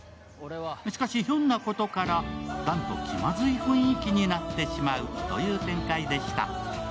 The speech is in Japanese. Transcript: しかし、ひょんなことから弾と気まずい雰囲気になってしまうという展開でした。